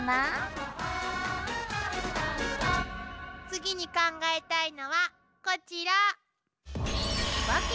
次に考えたいのはこちら。